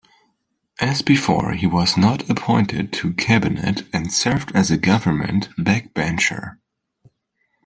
As before, he was not appointed to cabinet and served as a government backbencher.